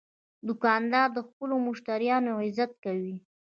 دوکاندار د خپلو مشتریانو عزت کوي.